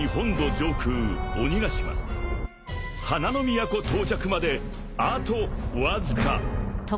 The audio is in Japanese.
上空鬼ヶ島花の都到着まであとわずか］